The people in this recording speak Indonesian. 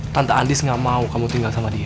tante andis gak mau kamu tinggal sama dia